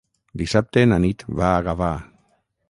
Dissabte na Nit va a Gavà.